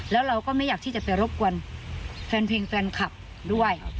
แล้วเราก็ไม่อยากที่จะไปรบกวนแฟนเพลงแฟนคลับด้วย